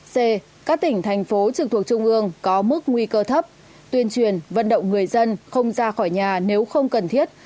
c các tỉnh thành phố trực thuộc trung ương có mức nguy cơ thấp tuyên truyền vận động người dân không ra khỏi nhà nếu không cần thiết